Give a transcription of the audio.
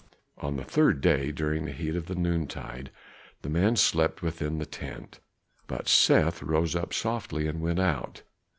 On the third day during the heat of the noontide the men slept within the tent, but Seth rose up softly, and went out.